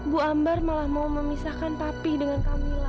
bu ambar malah mau memisahkan papi dengan kak mila